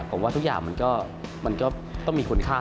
ผมว่าทุกอย่างมันก็ต้องมีคุณค่า